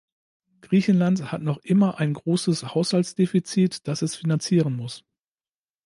Griechenland hat noch immer ein großes Haushaltsdefizit, das es finanzieren muss.